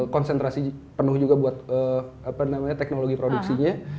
konsentrasi penuh juga buat teknologi produksinya